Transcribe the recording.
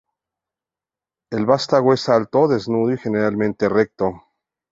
El vástago es alto, desnudo y generalmente recto.